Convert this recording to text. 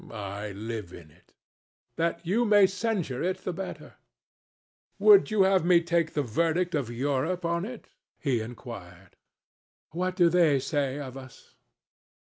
"I live in it." "That you may censure it the better." "Would you have me take the verdict of Europe on it?" he inquired. "What do they say of us?"